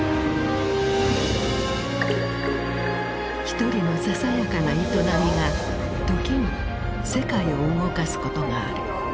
ひとりのささやかな営みが時に世界を動かすことがある。